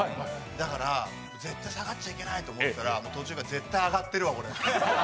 だから絶対下がっちゃいけないと思ったら途中から絶対上がってるわ、これって。